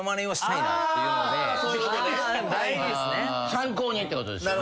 参考にってことですよね。